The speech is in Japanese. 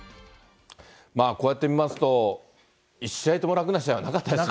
こうやって見ますと、一試合とも楽な試合はなかったですね。